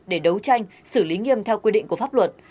để đấu tranh xử lý nghiêm theo quy định của pháp luật